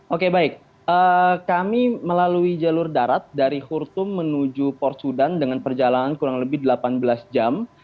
oke baik kami melalui jalur darat dari hurtum menuju porsudan dengan perjalanan kurang lebih delapan belas jam